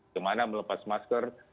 kemana melepas masker